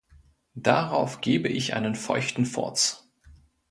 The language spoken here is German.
Darauf gebe ich einen feuchten Furz!